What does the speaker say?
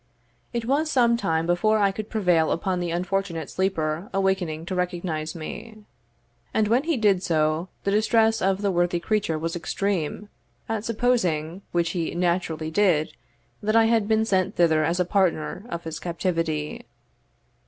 It was some time before I could prevail upon the unfortunate sleeper awakening to recognise me; and when he did so, the distress of the worthy creature was extreme, at supposing, which he naturally did, that I had been sent thither as a partner of his captivity.